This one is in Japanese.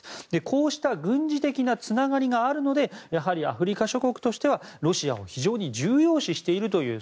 こうした軍事的なつながりがあるのでやはりアフリカ諸国としてはロシアを非常に重要視しているという